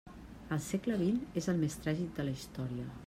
El segle vint és el més tràgic de la història.